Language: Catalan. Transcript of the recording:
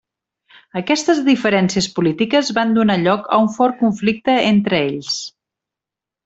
Aquestes diferències polítiques van donar lloc a un fort conflicte entre ells.